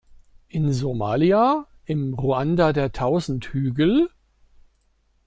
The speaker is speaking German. In Somalia, im Ruanda der tausend Hügel?